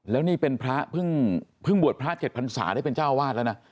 แล้วนี่เป็นพระเพิ่งบวชพระ๗พันศาได้เป็นเจ้าวาดแล้วนะ